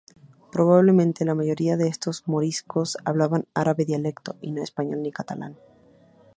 Probablemente la mayoría de estos moriscos hablaban árabe dialectal y no español ni catalán.